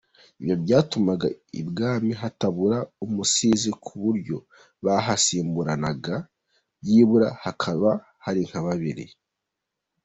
Ibyo byatumaga i Bwami hatabura umusizi ku buryo bahasimburanaga byibura hakaba hari nka babiri.